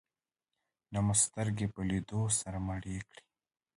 نه مو سترګې په لیدو سره مړې کړې.